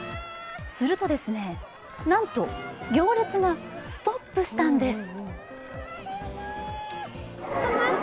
すると、なんと行列がストップしたんです。